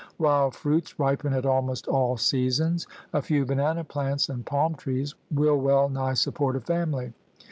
Wild fruits ripen at almost all seasons. A few banana plants and palm trees will well nigh support a family.